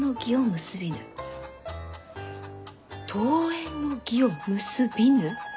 「桃園の義を結びぬ」？